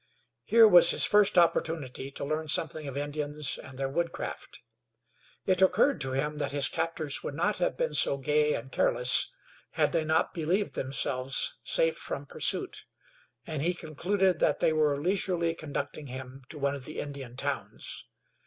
Here was his first opportunity to learn something of Indians and their woodcraft. It occurred to him that his captors would not have been so gay and careless had they not believed themselves safe from pursuit, and he concluded they were leisurely conducting him to one of the Indian towns.